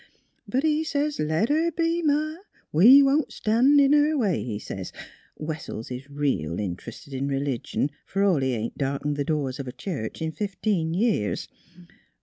But he sez ' let her be, Ma; we won't stan' in her way,' he sez. Wessels is reel int 'rested in r'ligion, fer all he ain't dark ened the door of a church in fifteen years.